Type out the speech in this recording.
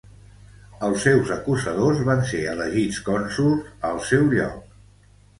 Els seus acusadors van ser elegits cònsols al seu lloc.